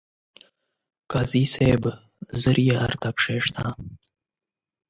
قاضي صاحب! ژر يې راته کښېږده ،